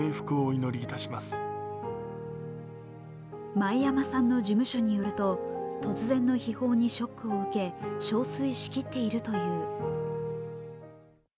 前山さんの事務所によると、突然の悲報にショックを受け、憔悴しきっているという。